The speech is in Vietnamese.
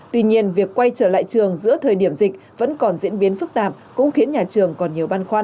tuy nhiên việc quay trở lại trường giữa thời điểm dịch vẫn còn diễn biến phức tạp cũng khiến nhà trường còn nhiều băn khoăn